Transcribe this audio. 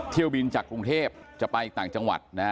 เที่ยวบินจากกรุงเทพฯจะไปอีกต่างจังหวัด